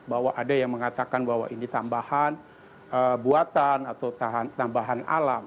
bahwa ada yang mengatakan bahwa ini tambahan buatan atau tambahan alam